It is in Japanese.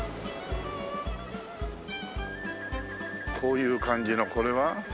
こういう感じのこれは？